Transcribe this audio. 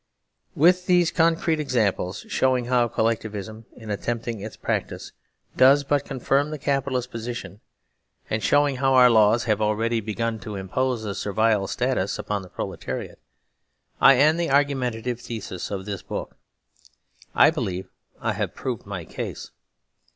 With these concrete examples showing how Col lectivism, in attempting its practice, does but confirm the Capitalist position, and showinghowour laws have already begun to impose a Servile Status upon the Pro letariat, I end the argumentative thesis of this book. I believe I have proved my case.